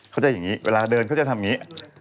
เข้าใจอย่างนี้เวลาเดินเขาจะทำอย่างนี้